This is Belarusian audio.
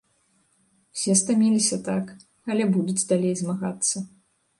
Усе стаміліся, так, але будуць далей змагацца.